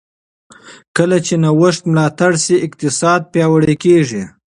کله چې نوښت ملاتړ شي، اقتصاد پیاوړی کېږي.